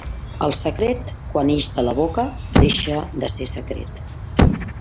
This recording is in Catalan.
El secret, quan ix de la boca, deixa de ser secret.